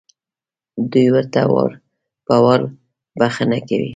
دوی ورته وار په وار بښنه کوي.